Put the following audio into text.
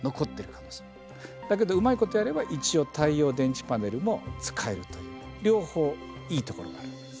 だけどうまいことやれば一応太陽電池パネルも使えるという両方いいところがあるわけです。